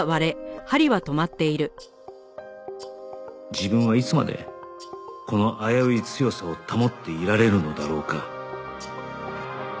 自分はいつまでこの危うい強さを保っていられるのだろうか